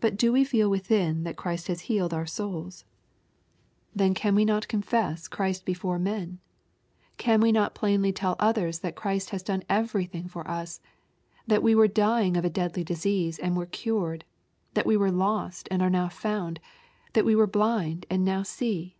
But do we feel within that Christ has healed our souls ? Then can we not confess Christ LUKE, CHAP. vni. 28S before men ? Can we not plainly tell others that Christ has done everything for us, — that we were dying of a deadly disease, and were cured, — ^that we were lost, and are now found, — ^that we were blind, and now see